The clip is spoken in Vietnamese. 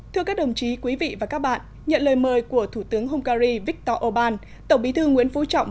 thưa các đồng chí quý vị và các bạn nhận lời mời của thủ tướng hungary viktor orbán tổng bí thư nguyễn phú trọng